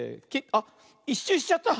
あっ１しゅうしちゃった。